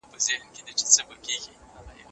دا موضوع اوس په هر ځای کې تدریسیږي.